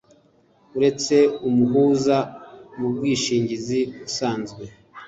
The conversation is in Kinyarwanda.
Uretse umuhuza mu bwishingizi usanzwe,